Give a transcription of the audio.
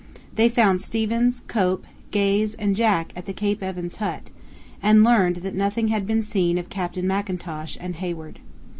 They found Stevens, Cope, Gaze, and Jack at the Cape Evans Hut, and learned that nothing had been seen of Captain Mackintosh and Hayward.